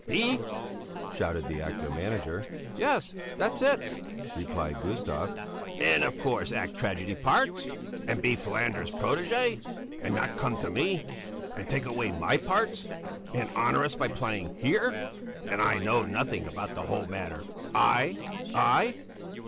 He!" shouted the actor manager. "Yes, that's it!" replied Gustav. "And, of course, act tragedy parts? And be Falander's protégé? And not come to me? And take away my parts? And honour us by playing here? And I know nothing about the whole matter? I? I?